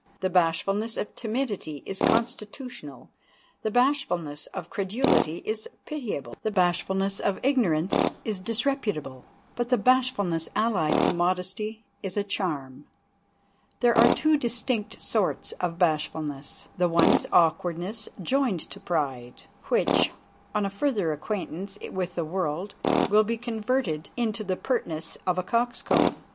The bashfulness of timidity is constitutional, the bashfulness of credulity is pitiable, the bashfulness of ignorance is disreputable, but the bashfulness allied to modesty is a charm. There are two distinct sorts of bashfulness. The one is awkwardness joined to pride, which, on a further acquaintance with the world, will be converted into the pertness of a coxcomb.